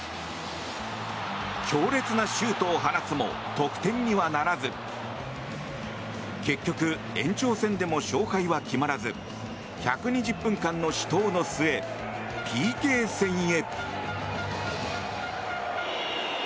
強烈なシュートを放つも得点にはならず結局、延長戦でも勝敗は決まらず１２０分間の死闘の末ＰＫ戦へ。